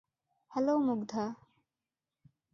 Hello Mugdha?